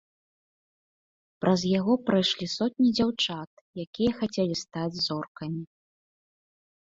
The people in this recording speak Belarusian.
Праз яго прайшлі сотні дзяўчат, якія хацелі стаць зоркамі.